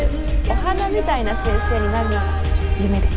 お花みたいな先生になるのが夢で